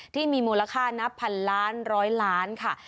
ที่มีมูลค่านับพันล้านร้อยล้านค่ะ